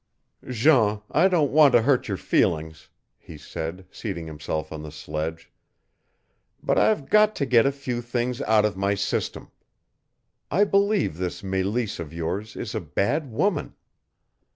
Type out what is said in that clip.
"Jean, I don't want to hurt your feelings," he said, seating himself on the sledge, "but I've got to get a few things out of my system. I believe this Meleese of yours is a bad woman."